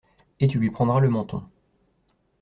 Et tu lui prendras le menton.